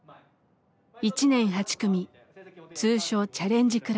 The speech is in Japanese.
１年８組通称チャレンジクラス。